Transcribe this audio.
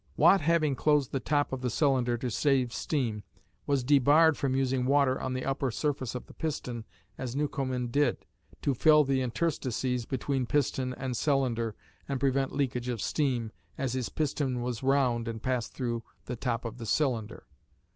Watt having closed the top of the cylinder to save steam, was debarred from using water on the upper surface of the piston as Newcomen did, to fill the interstices between piston and cylinder and prevent leakage of steam, as his piston was round and passed through the top of the cylinder.